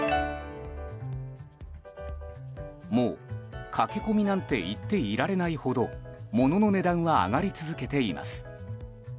もう、駆け込みなんて言っていられないほど物の値段は上がり続けています。